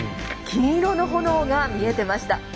金色の炎が見えていました。